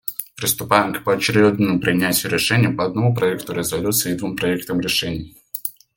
Приступаем к поочередному принятию решений по одному проекту резолюции и двум проектам решений.